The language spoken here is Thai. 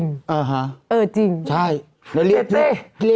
มันจะเข้าเซฟนะ